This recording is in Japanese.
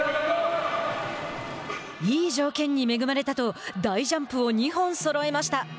「いい条件に恵まれた」と大ジャンプを２本そろえました。